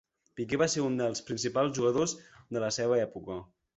Pike va ser un dels principals jugadors de la seva època.